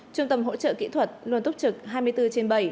trung tâm hỗ trợ kỹ thuật luôn túc trực hai mươi bốn trên bảy